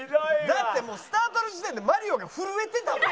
だってスタートの時点でマリオが震えてたもん。